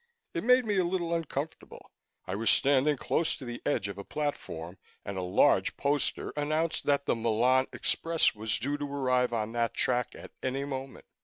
It made me a little uncomfortable; I was standing close to the edge of a platform, and a large poster announced that the Milan Express was due to arrive on that track at any moment.